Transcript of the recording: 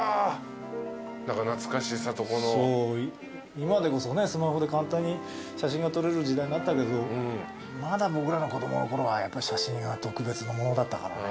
今でこそねスマホで簡単に写真が撮れる時代になったけどまだ僕らの子供のころは写真は特別なものだったからね。